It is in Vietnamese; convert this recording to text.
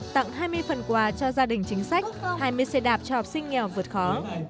tặng hai mươi phần quà cho gia đình chính sách hai mươi xe đạp cho học sinh nghèo vượt khó